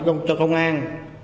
em đi cho công an